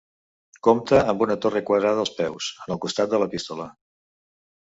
Compta amb una torre quadrada als peus, en el costat de l'epístola.